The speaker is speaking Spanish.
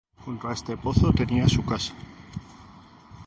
Junto a este pozo tenía su casa.